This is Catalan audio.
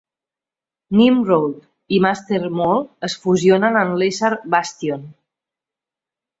Nimrod i Master Mold es fusionen en l'ésser Bastion.